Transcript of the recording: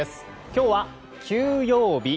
今日は休養日。